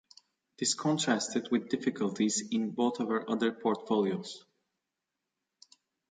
This contrasted with difficulties in both of her other portfolios.